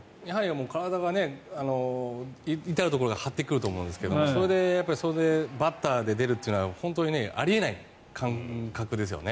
体が至るところで張ってくると思うんですけどそれでバッターで出るというのは本当にあり得ない感覚ですよね